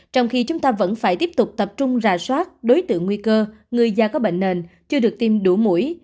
trong khi chúng ta vẫn phải tiếp tục tập trung rà soát đối tượng nguy cơ người da có bệnh nền chưa được tiêm đủ mũi